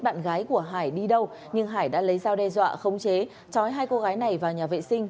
bạn gái của hải đi đâu nhưng hải đã lấy dao đe dọa khống chế chói hai cô gái này vào nhà vệ sinh